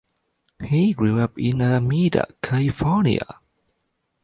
He grew up in Alameda, California.